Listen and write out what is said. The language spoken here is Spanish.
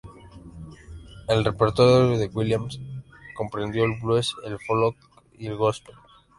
El repertorio de Williams comprendió el blues, el folk y el góspel.